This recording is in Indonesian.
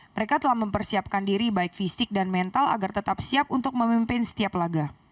mereka telah mempersiapkan diri baik fisik dan mental agar tetap siap untuk memimpin setiap laga